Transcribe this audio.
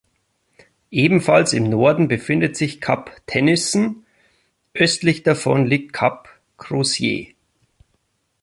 Ebenfalls im Norden befindet sich Kap Tennyson, östlich davon liegt Kap Crozier.